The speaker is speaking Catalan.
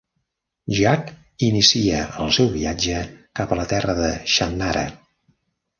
Jak inicia el seu viatge cap a la Terra de Shannara.